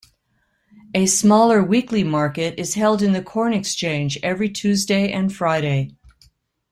A smaller weekly market is held in the Corn Exchange every Tuesday and Friday.